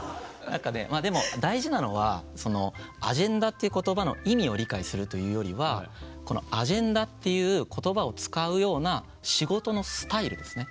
まあでも大事なのはアジェンダっていう言葉の意味を理解するというよりはアジェンダっていう言葉を使うような仕事のスタイルですね